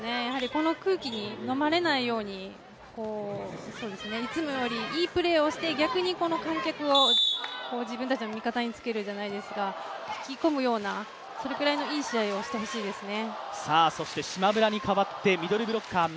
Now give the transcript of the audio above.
この空気に飲まれないようにいつもよりいいプレーをして逆にこの観客を自分たちの味方につけるじゃないですが、引き込むような、それぐらいのいい試合をしてもらいたいですね。